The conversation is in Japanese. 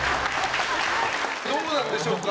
どうなんでしょうか。